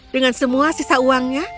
dengan semua sisa uangnya